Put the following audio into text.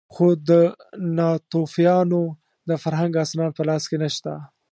خو د ناتوفیانو د فرهنګ اسناد په لاس کې نه شته.